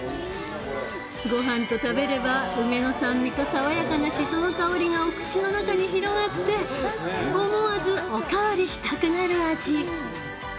ごはんと食べれば梅の酸味とさわやかな、しその香りがお口の中に広がって思わず、おかわりしたくなる味。